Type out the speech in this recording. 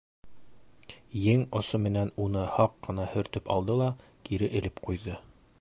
Ең осо менән уны һаҡ ҡына һөртөп алды ла кире элеп ҡуйҙы.